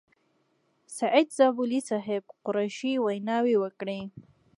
سعید زابلي صاحب، قریشي ویناوې وکړې.